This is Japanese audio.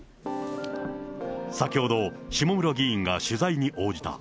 先ほど、下村議員が取材に応じた。